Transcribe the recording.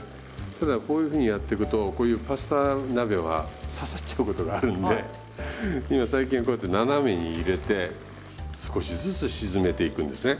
ただこういうふうにやっていくとこういうパスタ鍋は刺さっちゃうことがあるんで今最近はこうやって斜めに入れて少しずつ沈めていくんですね。